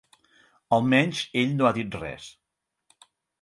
Almenys ell no ha dit res.